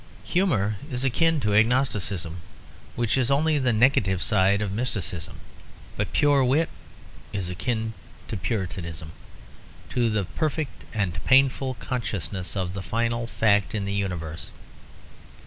Humour is akin to agnosticism, which is only the negative side of mysticism. But pure wit is akin to Puritanism; to the perfect and painful consciousness of the final fact in the universe.